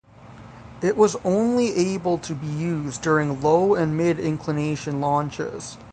It was only able to be used during low and mid inclination launches.